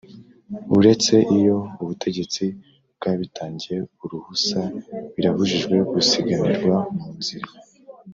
Uretse iyo ubutegetsi bwabitangiye uruhusa birabujijwe gusiganirwa mu nzira